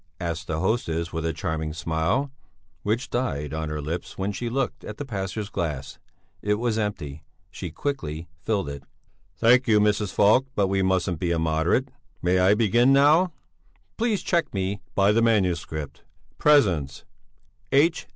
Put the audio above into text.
asked the hostess with a charming smile, which died on her lips when she looked at the pastor's glass. It was empty; she quickly filled it. "Thank you, Mrs. Falk, but we mustn't be immoderate! May I begin now? Please check me by the manuscript." "'Presents: H.